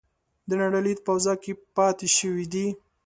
د نړۍ لید په حوزه کې پاتې شوي دي.